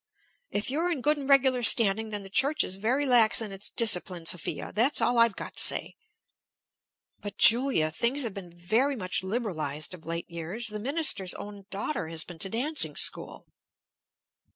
"If you're in good and regular standing, then the church is very lax in its discipline, Sophia; that's all I've got to say." "But, Julia, things have been very much liberalized of late years. The minister's own daughter has been to dancing school."